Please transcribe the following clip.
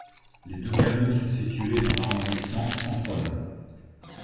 Les deux canaux sont situés dans l'arrondissement Centrum.